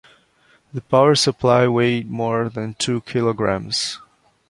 The power supply weighed more than two kilograms.